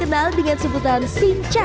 anda bers mudanya